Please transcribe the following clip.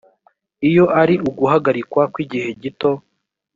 iyo ari uguhagarikwa kw’igihe gito